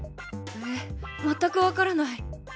えっまったく分からない。